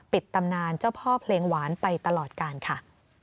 ตำนานเจ้าพ่อเพลงหวานไปตลอดกาลค่ะ